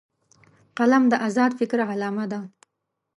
قلم د آزاد فکر علامه ده